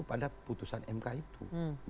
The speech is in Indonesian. pada putusan mk itu